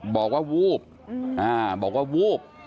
บอกว่าวูบบอกว่าวูบ